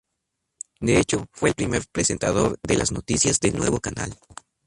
De hecho, fue el primer presentador de las noticias del nuevo canal.